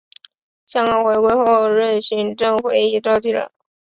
香港回归后任行政会议召集人。